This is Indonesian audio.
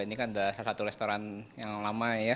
ini kan salah satu restoran yang lama ya